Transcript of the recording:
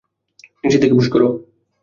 নিচের দিকে পুশ কর।